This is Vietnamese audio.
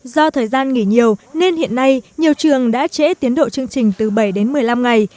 do thời gian nghỉ nhiều nên hiện nay nhiều trường đã trễ tiến độ chương trình từ bảy đến một mươi năm ngày